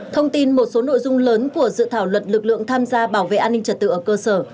thông tin một số nội dung lớn của dự thảo luật lực lượng tham gia bảo vệ an ninh trật tự ở cơ sở